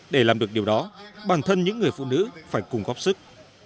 để làm được điều đó bản thân những người phụ nữ phải cùng góp sức